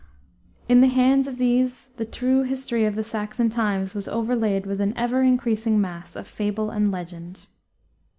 In the hands of these the true history of the Saxon times was overlaid with an ever increasing mass of fable and legend.